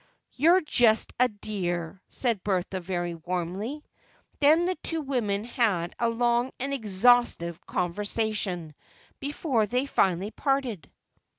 "You're just a dear," said Bertha very warmly. Then the two women had a long and exhaustive conversation, before they finally parted.